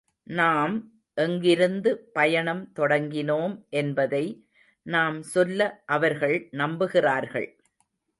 நாம் எங்கிருந்து பயணம் தொடங்கினோம் என்பதை நாம் சொல்ல அவர்கள் நம்புகிறார்கள்.